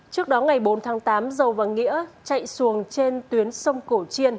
trước đó ngày bốn tháng tám dầu và nghĩa chạy xuồng trên tuyến sông cổ chiên